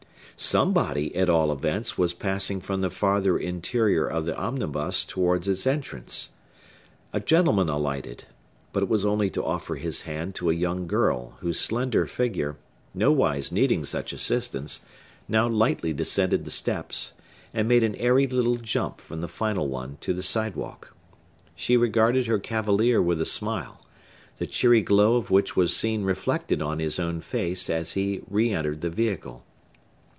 Somebody, at all events, was passing from the farthest interior of the omnibus towards its entrance. A gentleman alighted; but it was only to offer his hand to a young girl whose slender figure, nowise needing such assistance, now lightly descended the steps, and made an airy little jump from the final one to the sidewalk. She rewarded her cavalier with a smile, the cheery glow of which was seen reflected on his own face as he reentered the vehicle.